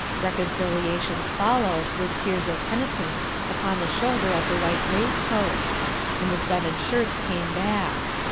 Reconciliations followed, with tears of penitence upon the shoulder of the white waistcoat, and the seven shirts came back.